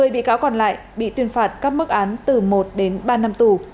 một mươi bị cáo còn lại bị tuyên phạt các mức án từ một đến ba năm tù